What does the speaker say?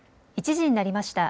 １時になりました。